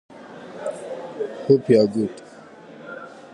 Also, some consonant combinations have silent consonants.